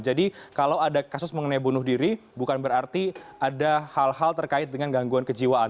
jadi kalau ada kasus mengenai bunuh diri bukan berarti ada hal hal terkait dengan gangguan kejiwaan